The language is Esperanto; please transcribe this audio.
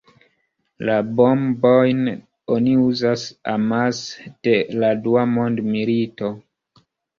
La bombojn oni uzas amase de la dua mondmilito.